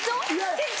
店長？